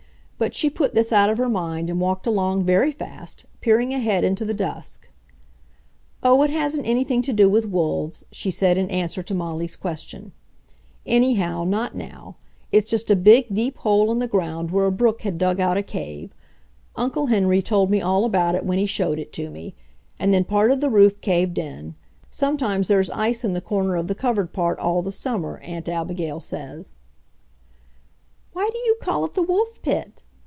But she put this out of her mind and walked along very fast, peering ahead into the dusk. "Oh, it hasn't anything to do with wolves," she said in answer to Molly's question; "anyhow, not now. It's just a big, deep hole in the ground where a brook had dug out a cave.... Uncle Henry told me all about it when he showed it to me ... and then part of the roof caved in; sometimes there's ice in the corner of the covered part all the summer, Aunt Abigail says." "Why do you call it the Wolf Pit?"